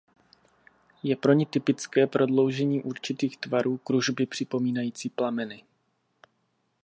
Je pro ni typické prodloužení určitých tvarů kružby připomínající plameny.